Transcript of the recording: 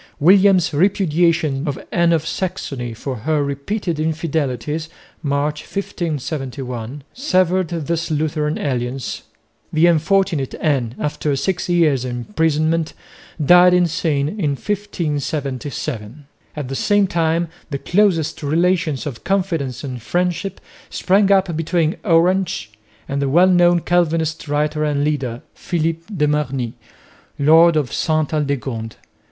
William's repudiation of Anne of Saxony for her repeated infidelities (March, 1571) severed this Lutheran alliance. The unfortunate Anne, after six years' imprisonment, died insane in 1577. At the same time the closest relations of confidence and friendship sprang up between Orange and the well known Calvinist writer and leader, Philip de Marnix, lord of Sainte Aldegonde.